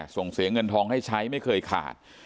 ส่งเสียเงินทองให้ใช้ไม่เคยขาด